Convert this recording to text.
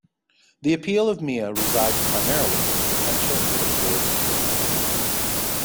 The appeal of Mia resides primarily in the potential it affords for bluffing.